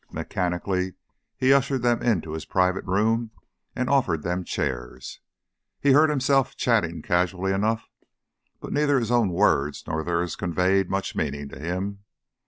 Mechanically he ushered them into his private room and offered them chairs. He heard himself chatting casually enough, but neither his own words nor theirs conveyed much meaning to him.